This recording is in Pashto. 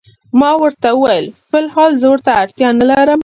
ما ورته وویل: فی الحال زه ورته اړتیا نه لرم.